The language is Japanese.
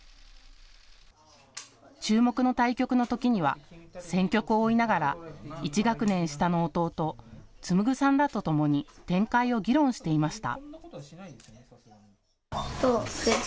注目の対局のときには戦局を追いながら１学年下の弟、紡さんらとともに展開を議論していました。